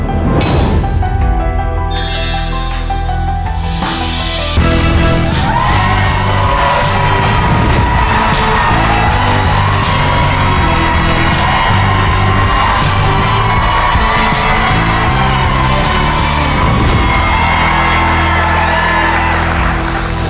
อีโน